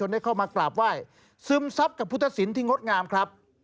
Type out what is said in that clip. ได้เข้ามากราบไหว้ซึมซับกับพุทธศิลป์ที่งดงามครับ